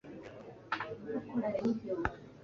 Ukoresha sponge mugihe woga